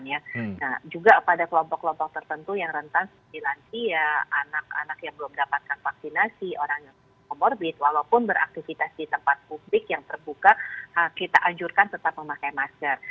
nah juga pada kelompok kelompok tertentu yang rentan seperti lansia anak anak yang belum mendapatkan vaksinasi orang yang komorbid walaupun beraktivitas di tempat publik yang terbuka kita anjurkan tetap memakai masker